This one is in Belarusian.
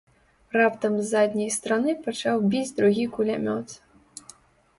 Раптам з задняй стараны пачаў біць другі кулямёт.